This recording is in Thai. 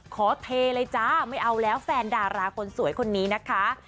เทเลยจ้าไม่เอาแล้วแฟนดาราคนสวยคนนี้นะคะ